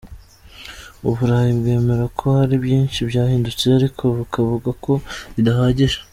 Uburayi bwemera ko hari byinshi byahindutse ariko bukavuga ko bidahagije.